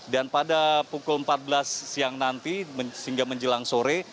dan pada pukul empat belas siang nanti sehingga menjelang sore